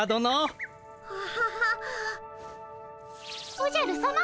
おじゃるさま。